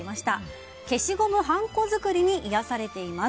消しゴムはんこ作りに癒やされています。